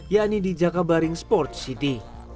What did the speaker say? yaitu di jakabaring sports city